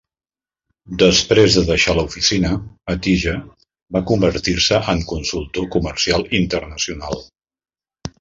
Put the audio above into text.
Després de deixar la oficina, Atiyeh va convertir-se en consultor comercial internacional.